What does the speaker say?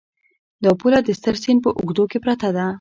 دا پوله د ستر سیند په اوږدو کې پرته ده.